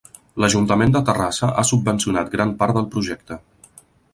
L'ajuntament de Terrassa ha subvencionat gran part del projecte.